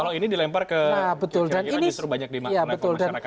kalau ini dilempar ke kira kira jatuh banyak di makna komersyarakatnya